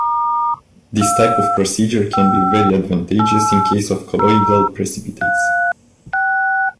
This type of procedure can be very advantageous in case of colloidal precipitates.